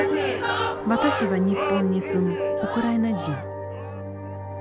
私は日本に住むウクライナ人。